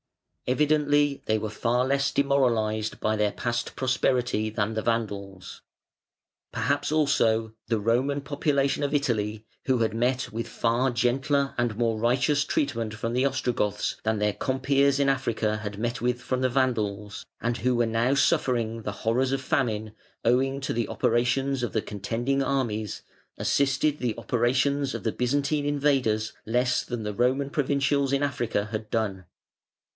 Evidently they were far less demoralised by their past prosperity than the Vandals. Perhaps also the Roman population of Italy, who had met with far gentler and more righteous treatment from the Ostrogoths than their compeers in Africa had met with from the Vandals, and who were now suffering the horrors of famine, owing to the operations of the contending armies, assisted the operations of the Byzantine invaders less than the Roman provincials in Africa had done.